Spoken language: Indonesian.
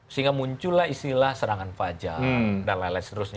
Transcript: sehingga muncullah istilah serangan fajar dan lain lain seterusnya